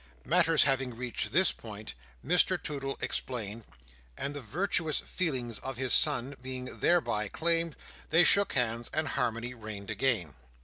Matters having reached this point, Mr Toodle explained, and the virtuous feelings of his son being thereby calmed, they shook hands, and harmony reigned again.